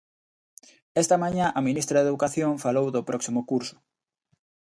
Esta mañá a ministra de Educación falou do próximo curso.